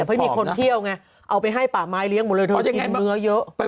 เพราะมีคนเที่ยวไงเอาไปให้ป่าไม้เลี้ยหมดเลยเธอก็กินเนื้อเยอะ